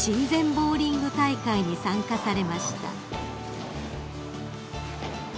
ボウリング大会に参加されました］